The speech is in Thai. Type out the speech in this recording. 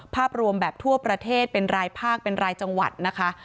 ภาพรวมแบบทั่วประเทศเป็นรายภาคเป็นรายจังหวัดนะคะ